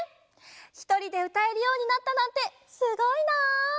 ひとりでうたえるようになったなんてすごいなあ！